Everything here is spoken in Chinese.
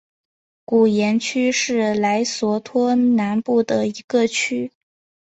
古廷区是莱索托南部的一个区。